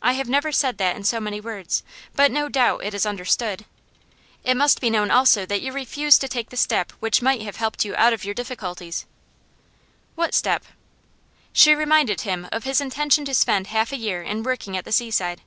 'I have never said that in so many words, but no doubt it is understood. It must be known also that you refused to take the step which might have helped you out of your difficulties.' 'What step?' She reminded him of his intention to spend half a year in working at the seaside.